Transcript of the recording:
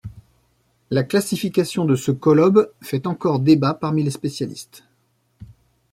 La classification de ce colobe fait encore débat parmi les spécialistes.